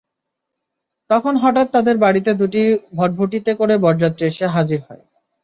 তখন হঠাৎ তাদের বাড়িতে দুটি ভটভটিতে করে বরযাত্রী এসে হাজির হয়।